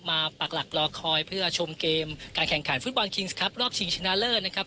ปรักหลักรอคอยเพื่อชมเกมการแข่งขันฟุตบอลคิงส์ครับรอบชิงชนะเลิศนะครับ